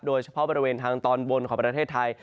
โดยเฉพาะภาพบริเวณของตอนวนประเทศไทย